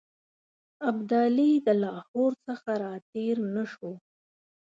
ابدالي د لاهور څخه را تېر نه شو.